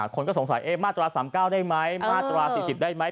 คนก็สงสัยมาตรา๓๙ได้ไหมมาตรา๔๐ได้ไหม